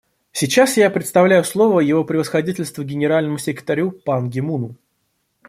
Сейчас я предоставляю слово Его Превосходительству Генеральному секретарю Пан Ги Муну.